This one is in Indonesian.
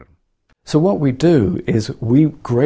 jadi apa yang kita lakukan adalah